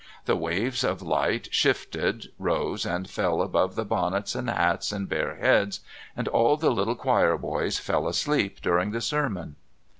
The waves of light shifted, rose and fell above the bonnets and hats and bare heads, and all the little choir boys fell asleep during the sermon.